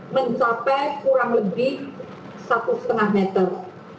mencapai kurang lebih satu lima meter